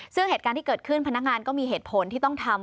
ซึ่งเหตุการณ์ที่เกิดขึ้นพนักงานก็มีเหตุผลที่ต้องทำ